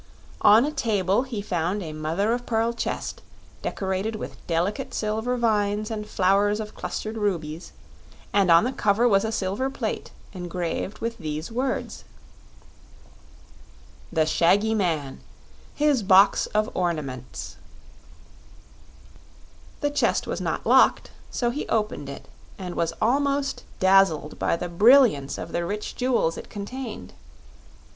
On a table he found a mother of pearl chest decorated with delicate silver vines and flowers of clustered rubies, and on the cover was a silver plate engraved with these words: THE SHAGGY MAN: HIS BOX OF ORNAMENTS The chest was not locked, so he opened it and was almost dazzled by the brilliance of the rich jewels it contained.